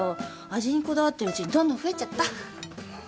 味にこだわってるうちにどんどん増えちゃった。